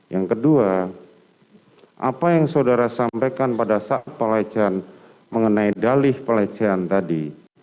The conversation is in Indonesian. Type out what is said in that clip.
yang kedua apa yang saudara sampaikan pada saat pelecehan mengenai dalih pelecehan tadi